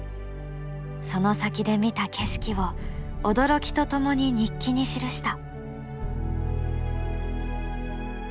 その先で見た景色を驚きとともに日記に記した。